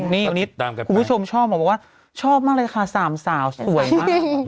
นี่คุณผู้ชมชอบบอกว่าชอบมากเลยค่ะสามสาวสวย